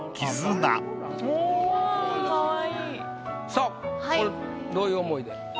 さぁこれどういう思いで？